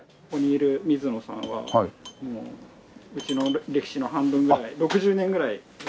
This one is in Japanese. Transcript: ここにいる水野さんはもううちの歴史の半分ぐらい６０年ぐらい。